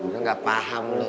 gue gak paham lo